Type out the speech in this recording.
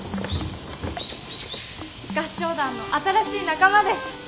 合唱団の新しい仲間です。